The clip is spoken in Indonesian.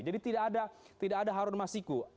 jadi tidak ada harun masiku